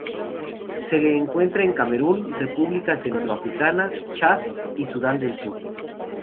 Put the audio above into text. Se lo encuentra en Camerún, República Centroafricana, Chad y Sudán del sur.